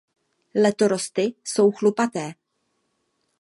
Letorosty jsou chlupaté.